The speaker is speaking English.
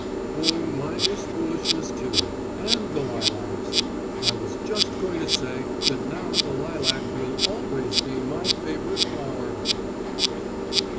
"Oh, mine was foolishness too and the lilacs. I was just going to say that now the lilac will always be my favourite flower...."